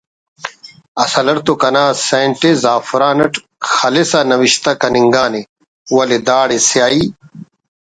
اصل اٹ تو کنا سنٹ ءِ زعفران اٹ خلسا نوشتہ کننگانے ولے داڑے سیاہی